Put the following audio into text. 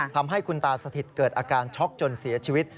ทำให้คุณตาสถิตเกิดอาการช็อกจนเสียชีวิต